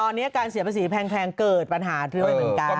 ตอนนี้การเสียภัยภาษีแพงเกิดปัญหาบางอย่างกัน